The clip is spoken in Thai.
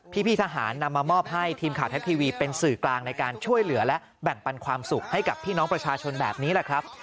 พี่ทหารนำมามอบให้ทีมข่าวไทยรัฐทีวีเป็นสื่อกลางในการช่วยเหลือและแบ่งปันความสุขให้กับพี่น้องประชาชนแบบนี้แหละครับ